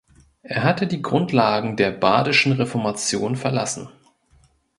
Er hatte die Grundlagen der badischen Reformation verlassen.